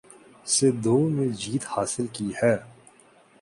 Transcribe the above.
سے دو میں جیت حاصل کی ہے